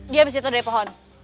dia habis itu dari pohon